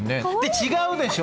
違うでしょ！